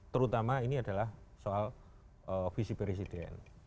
terutama ini adalah soal visi presiden